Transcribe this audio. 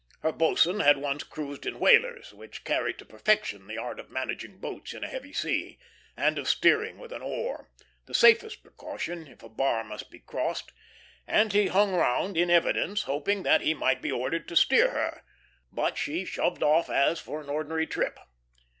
Her boatswain had once cruised in whalers, which carry to perfection the art of managing boats in a heavy sea, and of steering with an oar, the safest precaution if a bar must be crossed; and he hung round, in evidence, hoping that he might be ordered to steer her, but she shoved off as for an ordinary trip.